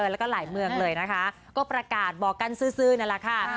แล้วก็หลายเมืองเลยนะคะก็ประกาศบอกกันซื้อนั่นแหละค่ะ